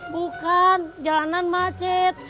bukan jalanan macet